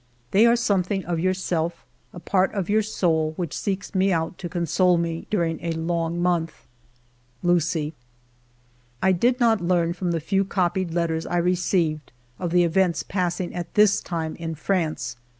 They are some thing of yourself, a part of your soul which seeks me out to console me during a long month. ... UCIE. I did not learn from the few copied letters I received of the events passing at this time in France.